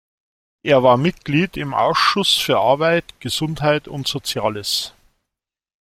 Er war Mitglied im Ausschuss für Arbeit, Gesundheit und Soziales.